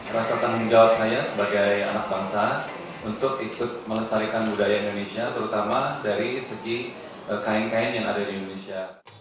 rasa tanggung jawab saya sebagai anak bangsa untuk ikut melestarikan budaya indonesia terutama dari segi kain kain yang ada di indonesia